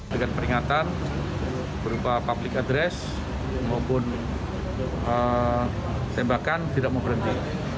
dengan peringatan berupa public address maupun tembakan tidak mau berhenti